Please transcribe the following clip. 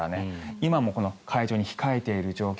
今も海上に控えている状況